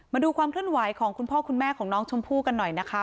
มาดูความเคลื่อนไหวของคุณพ่อคุณแม่ของน้องชมพู่กันหน่อยนะคะ